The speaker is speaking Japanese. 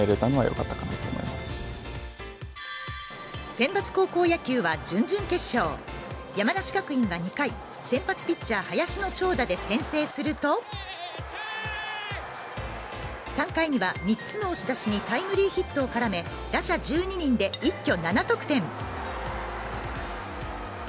選抜高校野球は準々決勝山梨学院は２回先発ピッチャー林の長打で先制すると、３回には三つの押し出しにタイムリーヒットを絡め、打者１２人で一挙７得点。